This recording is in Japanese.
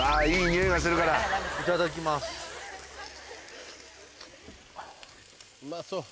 いただきます。